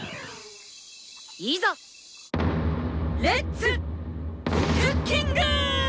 レッツクッキング！